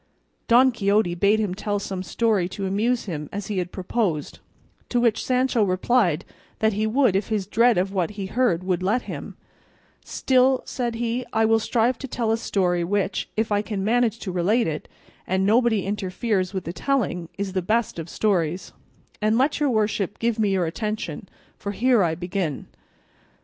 Don Quixote bade him tell some story to amuse him as he had proposed, to which Sancho replied that he would if his dread of what he heard would let him; "Still," said he, "I will strive to tell a story which, if I can manage to relate it, and nobody interferes with the telling, is the best of stories, and let your worship give me your attention, for here I begin.